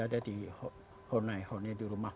ada di honai honai di rumah